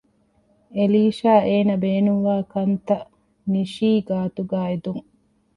އެލީޝާ އޭނަ ބޭނުންވާ ކަންތަށް ނިޝީ ގާތުގައި އެދުން